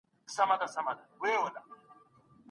ځان ته پام وکړئ ځکه تاسو ځانګړي یاست.